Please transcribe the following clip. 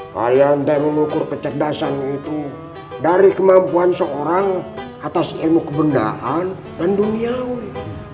haryantai mengukur kecerdasan itu dari kemampuan seorang atas ilmu kebenaran dan duniawi